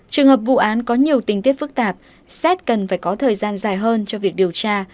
trường hợp vụ án có nhiều tình tiết phức tạp xét cần phải có thời gian dài hơn cho việc điều tra